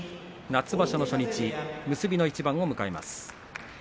夏場所の初日結びの一番を迎えます。